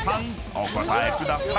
お答えください］